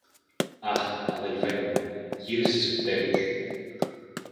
Αχ, αδελφέ μου, γύρισες επιτέλους!